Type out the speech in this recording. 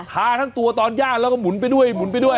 ทั้งตัวตอนย่างแล้วก็หมุนไปด้วยหมุนไปด้วย